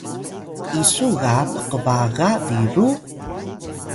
isu ga mkbaga biru?